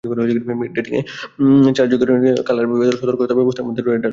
বেইজিংয়ে চার স্তরের কালার-কোডের সতর্কতা ব্যবস্থার মধ্যে রেড অ্যালার্ট সর্বোচ্চ সংকেত।